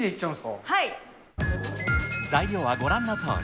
材料はご覧のとおり。